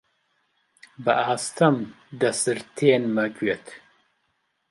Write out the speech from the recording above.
بە ئاستەم دەسرتێنمە گوێت: